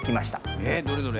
えっどれどれ？